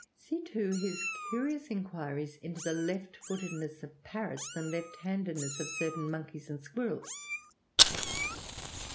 See too his curious inquiries into the left footedness of parrots and left handedness of certain monkeys and squirrels.